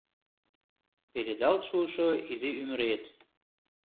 Пеледалт шуышо изи ӱмырет